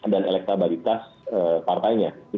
dan elektabalitas partainya